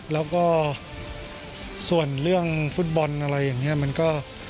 แล้วก็ส่วนเรื่องฟุตบอลอะไรอย่างนี้มันก็